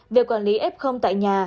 việc quản lý f tại nhà